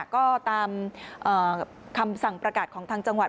ก็ตามคำสั่งประกาศของทางจังหวัด